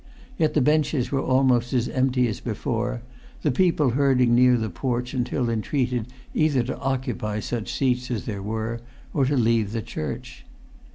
Yet the benches were almost as empty as before, the people herding near the porch until entreated either to occupy such seats as there were, or to leave the church.